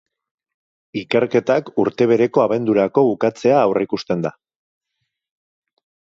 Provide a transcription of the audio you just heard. Ikerketak urte bereko abendurako bukatzea aurreikusten da.